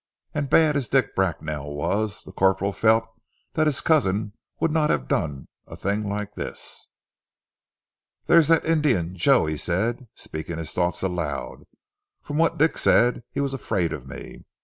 And bad as Dick Bracknell was, the corporal felt that his cousin would not have done a thing like this. "There's that Indian Joe," he said, speaking his thoughts aloud. "From what Dick said he was afraid of me ...